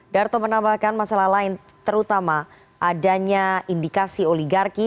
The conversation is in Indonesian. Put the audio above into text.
darto menambahkan masalah lain terutama adanya indikasi oligarki